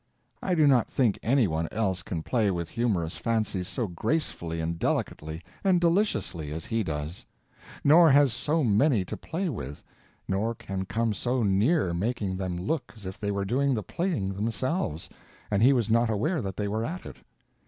I do not think any one else can play with humorous fancies so gracefully and delicately and deliciously as he does, nor has so many to play with, nor can come so near making them look as if they were doing the playing themselves and he was not aware that they were at it.